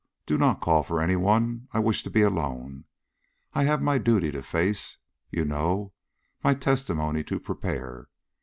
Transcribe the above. do not call for any one; I wish to be alone; I have my duty to face, you know; my testimony to prepare."